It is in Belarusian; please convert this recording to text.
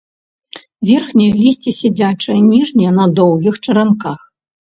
Верхняе лісце сядзячае, ніжняе на доўгіх чаранках.